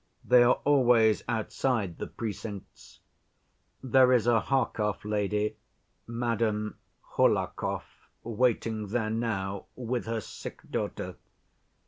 They are always outside the precincts. There is a Harkov lady, Madame Hohlakov, waiting there now with her sick daughter.